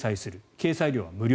掲載料は無料。